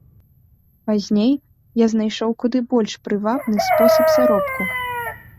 Пазней я знайшоў куды больш прывабны спосаб заробку.